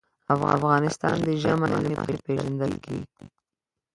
افغانستان د ژمی له مخې پېژندل کېږي.